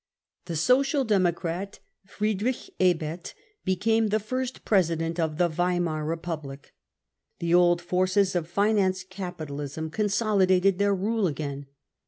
The Social Democrat Friedrich Ebert became the first President of the Weimar Republic. The old forces of finance capitalism consolidated their rule again.